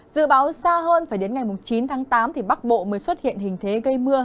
dự báo xa hơn phải đến ngày chín tháng tám thì bắc bộ mới xuất hiện hình thế gây mưa